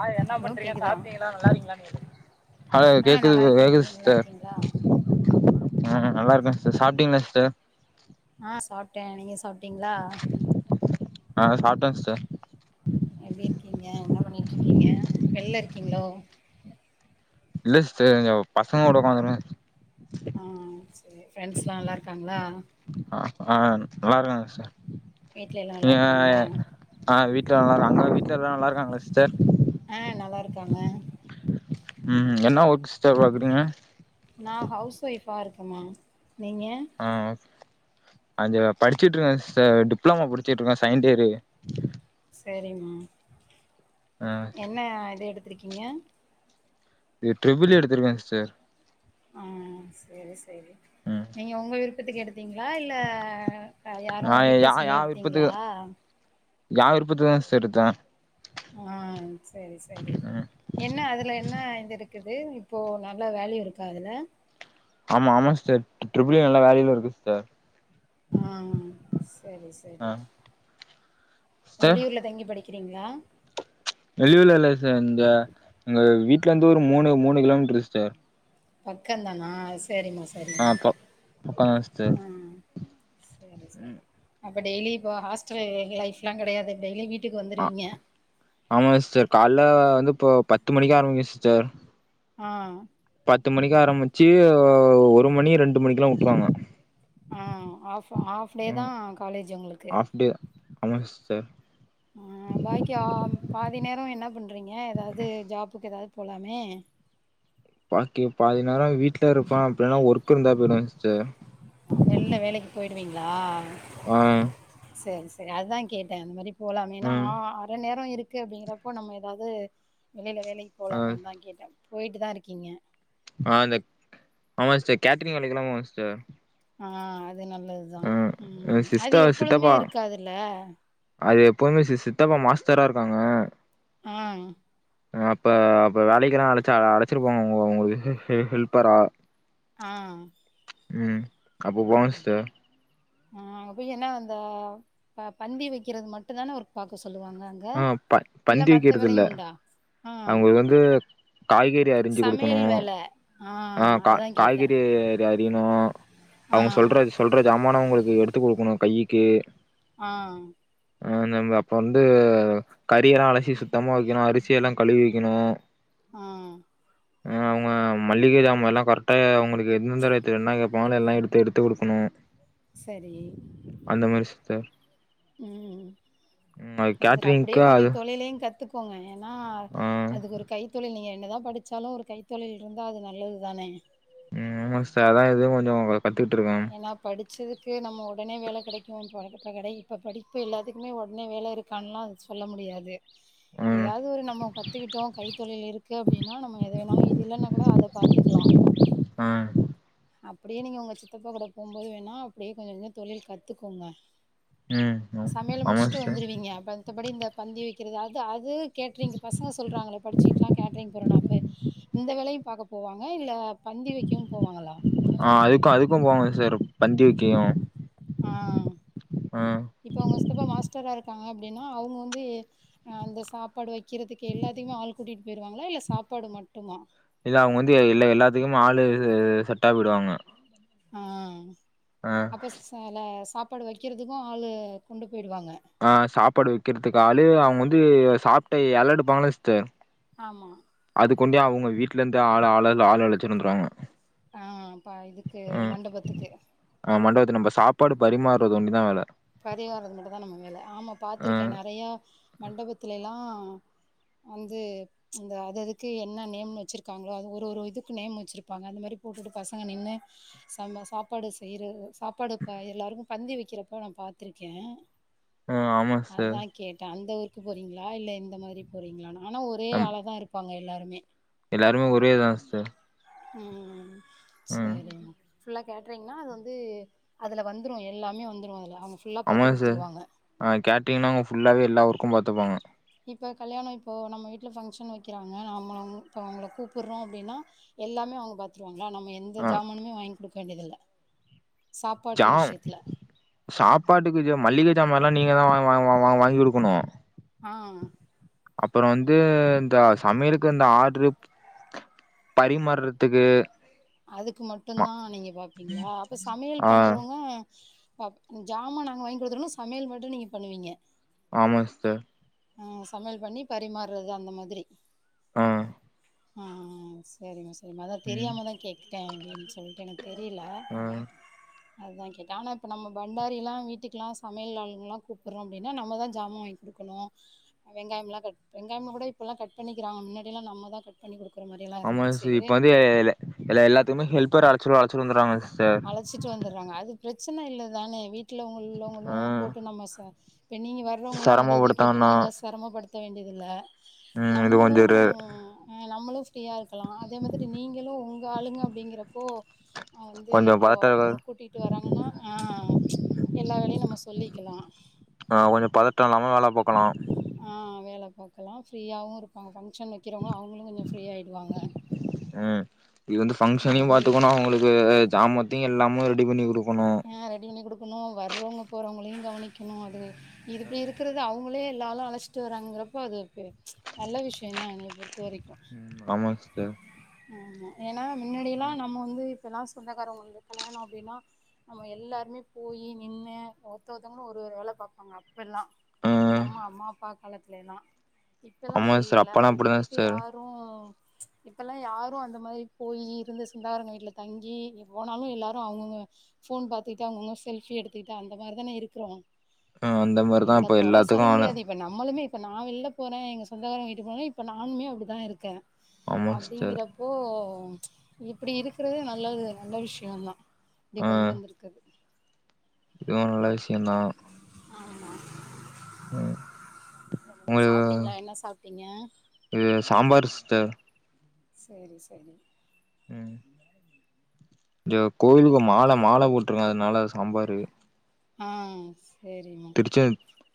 ஆ என்ன ஹலோ பண்றீங்க கேக்குதா சாப்ட்டீங்களா நல்லாரீங்களானு ஆ கேக்குது நல்லா இருக்கே கேக்குது நீங்க நல்லா சிஸ்டர் இருக்கீங்களா ஆ நல்லா இருக்க சிஸ் சாப்ட்டீங்களா சிஸ்டர் ஆ சாப்ட நீங்க சாப் டிங்ளா நா சாப்ட சிஸ்டர் எப்டி இருக்கீங்க என்ன பண்ணிட்ருக்கீங்க வெல்ல இருக்கீங்களோ இல்ல சிஸ்டர் பசங்க கூட உக்காந்துருக்க ஆ செரி ஃரெண்ட்ஸ் லா நல்லா இருக்காங்ளா அ ஆ நல்லா இருக்காங்க ச வீட்ல எல்லா நீ நல்லா ய இருக்காங்களா அ வீட்லல்லா [inaudible] அங்க வீட்ல நல்லா இருக்காங்கலா சிஸ்டர் அ நல்லா இருக்காங்க ம் என்ன ஒர்க் சிஸ்டர் பாக்குறீங்க நா ஹவுஸ் ஒய்ஃபா இருக்கமா நீங்க அ அஞ்ச படிச்சிட்டுருக்க சிஸ்டர் டிப்ளமோ புடிச்சிட்டுருக்கோ செகண்டியரு சேரிமா ஆ என்ன இது எடுத்திருக்கீங்க இ ட்ரிபிள் இ எடுத்திருக்க சிஸ்டர் ஆ சேரி சேரி ம் நீங்க உங்க விருப்பத்துக்கு எடுத்தீங்களா இல்ல யாரு நா வீட்ல யா யா சொல்லி விருப்பத்துக்கு எடுத்திங்களா யா விருப்பத்ல தா சிஸ்டர் எடுத்த அ செரி செரி ம் என்ன அதுல என்ன இது இருக்குது இப்போ நல்ல வேல்யூ இருக்கா அதுல ஆமா ஆமா சிஸ்டர் ட்ரிபில் எ நல்லா வேல்யுல இருக்கு சிஸ்டர் ஹ செரி செரி ஆ சிஸ்டர் வெளியூர்ல தங்கி படிக்கிறிங்களா வெளியூர்ல இல்ல ச இந்த எங்க வீட்ல இருந்து ஒரு மூணு மூணு கிலோமீட்டரு சிஸ்டர் பக்கதானா செரிமா ஆ செரிமா ப பக்கந்தா சிஸ்டர் அ செரி ம் செரி அப்ப டெய்லி இப்போ ஹாஸ்டல் லைஃப் லா கடயாது டெய்லி வீட்டுக்கு ஆ வந்துருவீங்க ஆமா சிஸ்டர் கால்ல வந்து இப்போ பத்து மணிக்கு ஆரம்பிக்கு சிஸ்டர் அ பத்து மணிக்கு ஆரம்பிச்சு ஒரு மணி ரெண்டு மணிக்லா உட்ருவாங்க அ ஆஃப் ஆஃப் டே தா ம் காலேஜ் உங்களுக்கு ஆஃப் டே ஆமா சிஸ்டர் அஹ் பாக்கி பாதி நேரோ என்ன பண்றீங்க எதாது ஜாப்புக்கு எதாது போலாமே பாக்கி பாதிநேரோ வீட்ல இருப்ப அப்டின்னா ஒர்க் இருந்தா போய்டுவ சிஸ்டர் வெள்ள வேலைக்கு போயிடுவீங்களா அஹ் சேரி சேரி அதுதா கேட்ட அந்த மாதிரி போலாமேன்னா ம் ஆ அர நேரோ இருக் இருக்கு அப்டிங்கிறப்போ நம்ம எதாது வெளியில வேலைக்கு ஆ போலாமே தா கேட்ட போயிட்டு தா இருக்கீங்க ஆஹ் அந்த ஆமா சிஸ்டர் கேட்ரிங் வேலைக்கெல்லா போவ சிஸ்டர் அஹ் அது நல்லதுதா ம் அது சிஸ்டர் எப்பொழுதுமே சித்தப்பா இருக்காதுல்ல அது எப்பவுமே சிஸ் சித்தப்பா மாஸ்டரா இருக்காங்க ஆ அப்ப அப்ப வேலைக்குல்லா அழைச்ச அழைச்சிருப்பாங்க உங்களுக்கு ஹெல் ஹெல்ப்பரா அ ம் அப்ப போவ சிஸ்டர் ஆ அங்க போய் என்னா அந்த பந்தி வைக்கிறது மட்டு தான ஒர்க் பாக்க சொல்லுவாங்க ஆ பந் இல்ல பந்தி மத்த வைக்கிறது இல்ல வேலையு உண்டா ஆ அங்க வந்து காய்கறி அரிஞ்சு குடுக்கணு சமையல் வேல ஆ கா அதா கேட்டே காய்கறி அரிணு ஆ சொல்ற ஜாமான அவுங்களுக்கு எடுத்து கொடுக்கணு கையிக்கு ஆ ம் நம்ம அப்ப வந்து கறி எல்லா அலசி சுத்தமா வைக்கணு அரிசி எல்லா கழுவிக்கணு ஆ ம் அ அவுங்க மல்லிகஜாமாலா கரெக்டா அவுங்களுக்கு எந்தெந்த இடத்துல என்னா கேப்பாங்களோ எல்லா எடுத்து எடுத்து குடுக்குணு செரி அந்த மாரி சிஸ்டர் ம் ம் அது சார் அப்டியே கேட்ரிங்க்கு கொஞ்சோ அது தொழிலையு கத்துக் கோங்க எனா ஆ அதுக்கு ஒரு கைத்தொழில் நீங்க என்னதா படிச்சாலு ஒரு கைத்தொழில் இருந்தா அது நல்லது தானே ம் ஆமா சிஸ்டர் அத்தா இது கொஞ்சோ கத்துட்ருக்கே ஏன்னா படிச்சதுக்கு நம்ம உடனே வேல கடைக்கு இப்ப இப்ப கடைக் இப்ப படிப்பு எல்லாத்துக்குமே உடனே வேல இருக்கான்லா அதுக் சொல்ல முடியாது ம் எதாவ்து ஒரு நம்ம கத்துக்குட்டோ கைத் தொழில் இருக்கு அப்டினா நம்ம எத வேணாலு இது இல்லனாகூட அத பாத்துக்கலா ஆ அப்படியே நீங்க உங்க சித்தப்பாகூட போம்போது வேணா அப்படியே கொஞ்சோ கொஞ்சோ தொழில் கத்துக்கோங்க ம் சமையல ஆமா முடிச்சுட்டு சிஸ்டர் வந்துருவீங்க மத்தப்படி இந்த பந்தி வெக்கிறது அது அது கேட்ரிங்கு பசங்க சொல்றாங்களே படிச்சிகிட்டுலா கேட்டரிங் போறனோ அப்ப இந்த வேலையு பாக்க போவாங்க இல்ல பந்தி வெக்கவு போவாங்களா ஆ அதுக்கு அதுக்கு போவோங் சிஸ்டர் பந்தி வெக்கயு ஆ இப்ப உங்க சித்தப்பா மாஸ்டரா இருக்காங்க அப்டினா அவுங்க வந்து அ அந்த சாப்பாடு வெக்கிறதுக்கு எல்லாத்தையுமே ஆள் கூட்டிட்டு போய்ருவாங்களா இல்ல சாப்பாடு மட்டுமா இல்ல அவுங்க வந்து இல்ல எல்லாத்துக்கு ஆளு செட்டா போய்டுவாங்க ஆ அப்ப ச ல சாப்பாடு வெக்கிறதுக்கு ஆளு கொண்டு போய்டுவாங்க ஆ சாப்பாடு வெக்கிறதுக்க ஆளு அவுங்க வந்து சாப்ட்ட எல எடுப்பாங்கள சிஸ்டர் ஆமா அதுக்கொண்டே அவுங்க வீட்ல இருந்தே ஆ ஆள ஆள் அழச்சிட் வந்துருவாங்க ஆ ப இதுக்கு ம் மண்டபத்துக்கு ஆ மண்டபத்த நம்ம சாப்பாடு பரிமாற்றது ஒன்னுதா வேல பரிவாறது மட்டுதா நம்ம மேல ஆமா ஆ பாத்திருக்கே நறையா மண்டபத்துலலா வந்து அந்த அது அதுக்கு என்ன நேம்னு வெச்சிருக்காங்களோ அது ஒரு ஒரு இதுக்கு நேம் வெச்சிருப்பாங்க அந்த மாரி போட்டுட்டு பசங்க நின்னு செம்ம சாப்பாடு செய்றது சாப்பாடு இப்ப எல்லாருக்கு பந்தி வெக்கிற போ நா பாத்திருக்கே ஆ ஆமா சிஸ்டர் அத்தா கேட்டே அந்த ஊர் கு போறீங்ளா இல்ல இந்தமாரி போறீங்ளானு ஆனா ஒரே நம் ஆளதா இருப்பாங்க எல்லாருமே எல்லாருமே ஒரே இதா சிஸ்டர் இம் ம் செரிமா ஃபுல்லா கேட்ரிங்னா அது வந்து அதுல வந்துரு எல்லாமே வந்துரு அதுல ஆமா ஆம சிஸ்டர் அ கேட்ரிங்னா அவுங்க ஃபுல்லாவே எல்லா ஒர்க்கு பாத்துப்பாங்க இப்ப கல்யாணோ இப்போ நம்ம வீட்ல ஃபங்க்ஷன் வெக்கிறாங்க ஆம்மாவு இப்போ அவுங்கள கூப்புட்றோ அப்டினா எல்லாமே அவுங்க பாத்ருவாங்ளா நம்ம எந்த ஆ ஜாமனு வாய்ங் குடுக்க வேண்டியதில்ல சாப்பாட்டு ஜாம் விஷயத்துல சாப்பாட்டுக்கு மல்லிக ஜாமாலா நீங்கதா வாங் வாங் வாங் வா வாங்கி குடுக்குணு ஆ அப்பறோ வந்து இந்த சமையலுக்கு இந்த ஆட்ரு பறிமாற்றத் அதுக்கு மட்டுந்தா நீங்க பாப்பீங்ளா அப்ப சமையல் ஆ பண்றவங்க ப்ப ஜாமா நாங்க வாங்கி குடுத்துருனு சமையல் மட்டு நீங்க பண்ணுவீங்க ஆமாங் சிஸ்டர் ம் சமையல் பண்ணி பரிமாறது அந்த மாதிரி ம் ஹ ஹஹஹ செ செரிம்மா செரிம்மா அதா ம் தெரியாம தா கேட்டுட்டே எப்டின் சொல்ட்டு எனக்கு தெரில ஆ அதுதா கேட்டே ஆனா இப்போ நம்ம பண்டாரிலா வீட்க்லா சமையல் ஆளுங்கலா கூப்பறோ அப்டின்னா நம்மதா ஜாமா வாங்கி குடுக்கணு வெங்காயமெல்லா கட் வெங்காயம கூட இப்பெல்லா கட் பண்ணிக்காரங்க மின்னாடியெல்லா நம்ம தா கட் பண்ணி குடுக்குற மாரி எல்லா இருந்துச்சி ல்ல [unintelligible] எல்லாத்துக்குமே ஹெல்பர் அழச்சி அழச்சினு வந்துராங்க சிஸ்டர் கூட்டுவந்துறாங்க அது பிரச்சன இல்லதானே வீட்டுல உள்ளவங்களு ஆ போட்டு நம்ம ச இப்ப நீங்க வேர ற்ற வங்களு அத இத கேட்டு செரமப்படுத்தான்னா நம்மள செரமப்படுத்த வேண்டியதில்ல ம் இது நம்மளு கொஞ்ச இரு ஹ நம்மளு ஃப்ரீயா இருக்கலா அதே மாதிரி நீங்களு உங்காளுங்க அப்டிங்கிறப்போ அ வந்து கொஞ்ச இப்போ பதட்ட ஒர்தங்க கூட்டி ட்டு வராங்கனா ஆ எல்லா வேலையு நம்ம சொல்லிக்கலா ஆ கொஞ்சோ பதட்ட இல்லாம வேல பாக்கலா ஆ வேல பாக்கலா ஃப்ரீயாவு இருப்பாங்க ஃபங்க்ஷன் வெக்கிறவங்களு அவ்ங்களு கொஞ்சம் ஃப்ரீயாயிடுவாங்க ம் இது வந்து பங்க்ஷனையு அது பாத்துக்கனு அவ்ங்களுக்கு ஜாமத் தியு எல்லாமு ரெடி பண்ணி குடுக்கணு அ ரெடி பண்ணி குடுக்கணு வர்றவங்க போறவங்களையு கவனிக்கணு அது இது இப்டி இருக்கறத் த அவங்களே எல்லா ஆளு அழச்சிட்டு வராங்கிறப்ப அது நல்ல விஷயம் தா என்னய பொறுத்த வரைக்கு ஆமாங் சிஸ்டர் ஆமா ஏனா மின்னாடி எல்லா நம்ம வந்து இப்பல்லா சொந்தக்காரவங்கள்து கல்யாணோ அப்டின்னா நம்ம எல்லாருமே போயி நின்னு ஒருத்தருத்தவங்களு ஒரு ஒரு வேலபாப் அவ்ங்க அப்பெல்லா ஆ நம்ம அம்மா அப்பா காலத்துலெல்லா இப்பல்லா ஆமா அப்டி சிஸ்டர் இல்லல்ல அப்பல்லா ஒரு அப்டிதா வீட்டுக்கு யார் [inaudible] ப்ச் இப்பல்லா யாரு அந்த மாதிரி போயி இருந்து சொந்தகாரங்க வீட்டுல தங்கி போனாலு எல்லாரு அவங்கவுங்க போன் பாத்துகுட்டு அவுங்கவுங்க செல்பி எடுத்துகுட்டு அந்த மாரிதான இருக்கறோ ஆ அந்த மாரிதா இல்ல இப்ப கொற எல்லாத்துக்கு சொல்ல ஆளு முடியாது இப் ப நம்மளுமே இப்ப நா வெள்ல போறே எங்க சொந்தக்காரங்க வீட்டுக்குபோனாலே இப்ப நானுமே அப்டிதா இருக்கே ஆமா சிஸ்டர் அப்டிங்கிறப்போ ப்ச் இப்டி இருக்கறது நல்லது நல்ல விஷ்யோந்தா ஆ கொண்டு வந்துருக்கது இதுவு நல்ல விஷ்யந்தா ஆமா ம் [unintelligible] உங்களுக்கு சாப்ட்டீங்ளா என்ன சாப்ட்டீங்க இது சாம்பாரு சிஸ்டர் சரி சரி ம் த்தோ கோயிலுக்கு மாலை மாலை போட்டிருக்க அதனால சாம்பாரு ஆ செரிமா ச்செ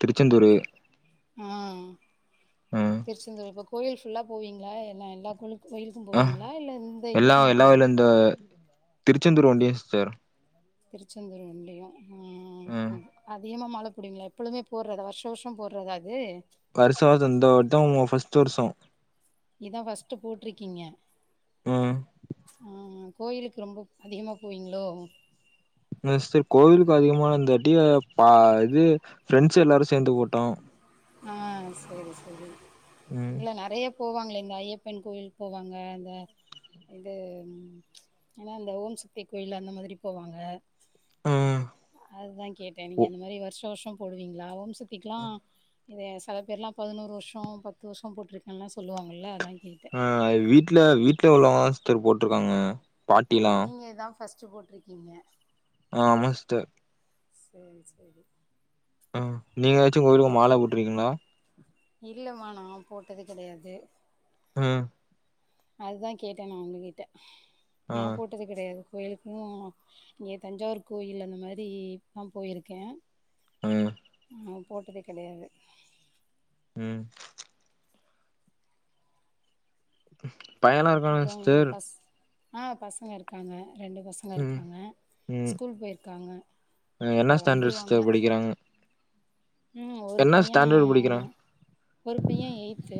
திருச்செந்தூரு அ ம் திருச்செந்தூரு இப்ப கோயில் ஃபுல்லா போவீங்ளா எல்லா எல்லா கோலு கோயிலீக்கு போவீங்ளா இல்ல இந்த இதுக்கு மட்டு மா த திருச்செந்தூரு வொண்டியு சிஸ்டர் திருச்செந்தூர் வண்டியா ம் அ [unintelligible] [unintelligible] மால போடுவிங்ளா எப்பொழுமே போட்றதா வருஷ வருஷொ போட்றதா அது வருஷஷோ இந்தவட்டொ ஃபர்ஸ்ட் வர்ஷொ இதா ஃபர்ஸ்ட்டு போட்ருக்கீங்க ம் அ கோயிலுக்கு ரொம்ப அதிகமா போவீங்ளோ மிஸ்ட கோயிலுக்கு அதிகமா [unintelligible] பா இது ஃப்ரெண்ட்ஸ் எல்லாரு சேந்து போட்டோ அ சேரி சேரி இல்ல நெறைய போவாங்ளே இந்த ஐயப்பன் கோயில்க் போவாங்க அந்த இது என்னா இந்த ஓம் சக்தி கோயில் அந்த மாதிரி போவாங்க ம் அதுதா கேட்டே நீங்க ஓ அந்த மாறி வருஷ வருஷொ போடுவிங்ளா ஓம்சத்திக்லா இத சில பேர்லா பதினோரு வருஷொ பத்து வருஷொ போட்ருக்கன்லா சொல்லுவாங்கல்ல அதா கேட்டே அ வீட்ல வீட்ல உள்ளவங்க தாஸ்டர் போட்ருக்காங்க அ பாட்டிலா நீங்க இதா ஃபர்ஸ்ட்டு போட்ருக்கீங்க ஆமா ஸ்டர் சேரி சேரி அ நீங்க ஏதாச்சு கோயிலுக்கு மால போட்ருக்கிங்ளா இல்ல மா நா போட்டது கெடையாது ம் அதுதா கேட்டே நா உங்ககிட்ட ஆ நா போட்டது கெடையாது கோயிலுக்குனா இங்க தஞ்சாவூர் கோயில் அந்த மாறி நா போயிருக்கே அ நா போட்டதே கெடையாது ம் பயனா அப்றொ எங்க பஸ் ஆ பசங்க இருக்காங்க ரெண்டு பசங் ம் இருக்காங்க ம் ஸ்கூல் போயிருக்காங்க என்ன இப்ப ஸ்டாண்டர்ட் வந்துருவாங்க சிஸ்டர் படிக்கிறாங்க ம் ஒரு என்ன பைய ஸ்டாண்டர்ட் படிக்கிறா ஒரு பையெ எயித்து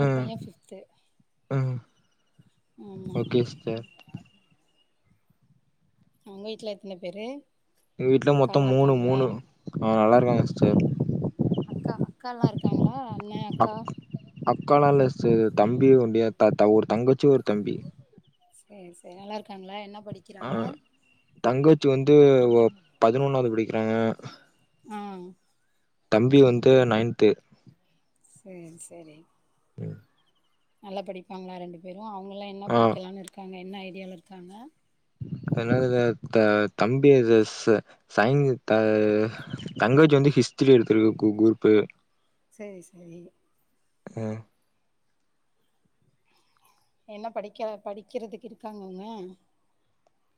ஒரு ம் பையெ ஃபிப்த்து ம் ஆமா ஓகே சிஸ்டர் உங்க வீட்ல எத்தன பேரு எங்க வீட்ல மொத்தொ அக்கால்லா மூனு இருக்காங்களா மூனு அ நல்லா இருக்காங்க சிஸ்டர் அக்கா அக்கால்லா இருக்காங்ளா அண்ணே அக்கா அக்கால்லா இல்ல சிஸ்டர் தம்பி உண்டு எ த த ஒரு தங்கச்சி ஒரு தம்பி சேர் சேர் நல்லாருக்காங்ளா என்ன படிக் அ தங்கச்சி வந்து பதினொன்னாது படிக்கிறாங்க அ தம்பி வந்து நயன்த்து சேர் சேரி ம் நல்லா படிப்பாங்ளா ரெண்டு பேரு அவங்குலா என்ன ஆ படிக்கலானு இருக்காங்க என்ன ஐடியால இருக்காங்க [unintelligible] சயின் த தங்கச்சி வந்து ஹிஸ்ட்ரி எடுத்துருக்கு கு க்ரூப்பு செரி செரி அ என்ன படிக்க படிக்கிறதுக்கு இருக்காங்கங்க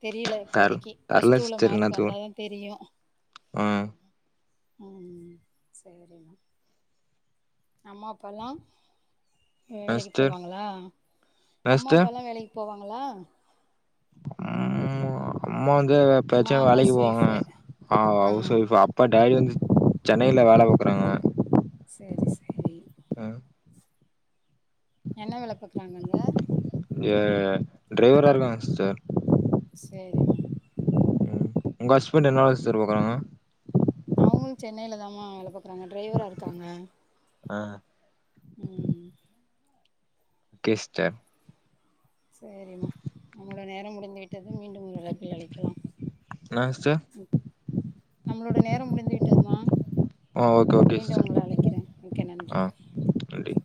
தெரில தர் இப்போதக்கி பிளஸ் தர்ல டூல சிஸ்டர் மார்க் வந்தா என்னாத்துக்கு தா தெரியும் ஆ உம் சரிம்மா அம்மா அப்பாலா என்ன வேலைக்கு சிஸ்டர் போவாங்களா என்ன அம்மா சிஸ்டர் அப்பால்லாம் வேலைக்கு போவாங்களா ம் அம்மா வந்து அம்மா எப்பயாச்சும் வேலைக்கு ஹவுஸ் போவாங்க ஒய்ஃபு ஆ அவுஸ் ஒய்ஃப் அப் அப்பா டாடி வந்து சென்னையில வேல பாக்குறாங்க சேரி சேரி ம் என்ன வேல பாக்றாங்கங்க ஏ டிரைவரா இருக்காங்க சிஸ்டர் சரி ம் உங்க ஹஸ்பண்ட் என்னாவா சிஸ்டர் பாக்குறாங்க அவுங்ளு சென்னையில தா மா வேல பாக்றாங்க டிரைவரா இருக்காங்க அ உம் ஓகே சிஸ்டர் சேரிங்க வுங்ளோட நேரம் முடிந்து விட்டது மீண்டும் ஒரு அழைப்பில் அழைக்கலாம் என்னா சிஸ்டர் நம்மளோட நேரம் முடிந்து விட்டதுமா ஆ ஓகே ஓகே மீண்டும் சிஸ்டர் உங்கள அழைக்கிறே மிக்க நன்றி ஆ நன்றி